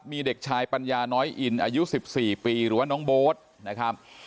มีเด็กชายปัญญาน้อยอินอายุ๑๔ปีหรือว่าน้องโบ๊ทนะครับ